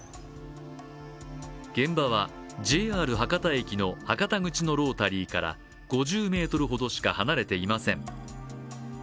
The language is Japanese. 現場はＪＲ博多駅の博多口のロータリーから５０ｍほどしか離れていません。